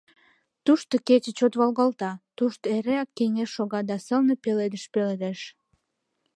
Тушто кече чот волгалта, тушто эреак кеҥеж шога да сылне пеледыш пеледеш.